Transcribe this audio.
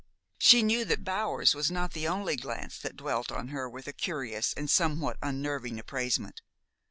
She knew that Bower's was not the only glance that dwelt on her with a curious and somewhat unnerving appraisement.